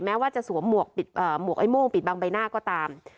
แม้ว่าจะสวมหมวกปิดเอ่อหมวกไอ้ม่วงปิดบางใบหน้าก็ตาม